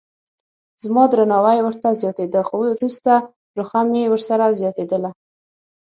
زما درناوی ورته زیاتېده خو وروسته رخه مې ورسره زیاتېدله.